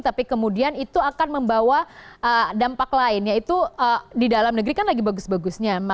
tapi kemudian itu akan membawa dampak lain yaitu di dalam negeri kan lagi bagus bagusnya